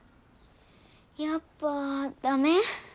やっぱダメ？